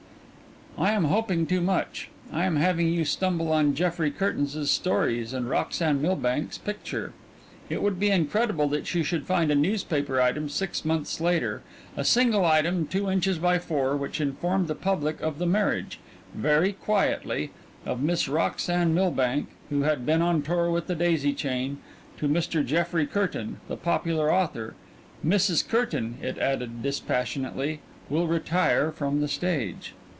I am hoping too much. I am having you stumble on Jeffrey Curtains's stories and Roxanne Milbank's picture. It would be incredible that you should find a newspaper item six months later, a single item two inches by four, which informed the public of the marriage, very quietly, of Miss Roxanne Milbank, who had been on tour with "The Daisy Chain," to Mr. Jeffrey Curtain, the popular author. "Mrs. Curtain," it added dispassionately, "will retire from the stage."